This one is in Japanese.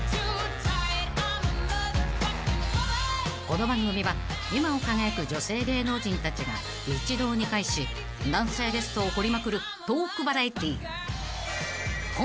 ［この番組は今を輝く女性芸能人たちが一堂に会し男性ゲストを掘りまくるトークバラエティー］